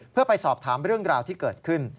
เพื่อไปสอบถามเรื่องราวที่เกิดขึ้น